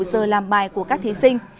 giờ làm bài của các thí sinh